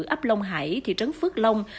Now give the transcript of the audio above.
ấp long hải thị trấn phước long